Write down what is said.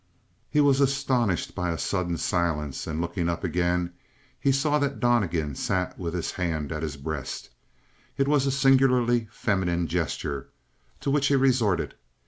He was astonished by a sudden silence, and looking up again, he saw that Donnegan sat with his hand at his breast. It was a singularly feminine gesture to which he resorted.